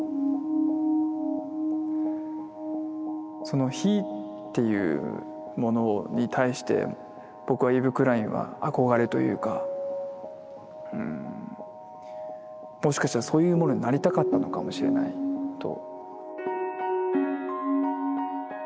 その非っていうものに対して僕はイヴ・クラインは憧れというかもしかしたらそういうものになりたかったのかもしれないと。